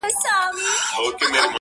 چاته وايي په نړۍ کي پهلوان یې.!